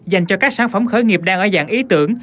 dành cho các sản phẩm khởi nghiệp đang ở dạng ý tưởng